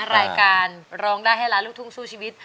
รายการร้องได้ให้ล้านลูกทุ่งสู้ชีวิต